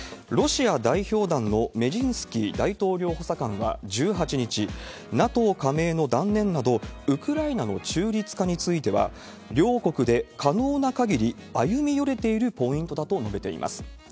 ロシア代表団のメジンスキー大統領補佐官は、１８日、ＮＡＴＯ加盟の断念など、ウクライナの中立化については両国で可能な限り歩み寄れているポイントだと述べています。